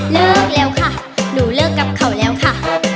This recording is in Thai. เลิกแล้วค่ะหนูเลิกกับเขาแล้วค่ะ